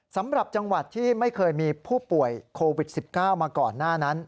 สำหรับจังหวัดที่ไม่เคยมีผู้ป่วยโควิด๑๙มาก่อนหน้านั้น